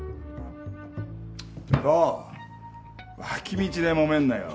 脇道でもめるなよ。